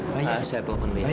saya bawa penulis